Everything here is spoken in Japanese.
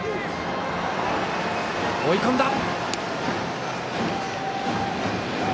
追い込んだ！